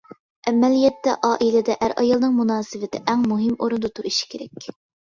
ئەمەلىيەتتە ئائىلىدە ئەر-ئايالنىڭ مۇناسىۋىتى ئەڭ مۇھىم ئورۇندا تۇرۇشى كېرەك.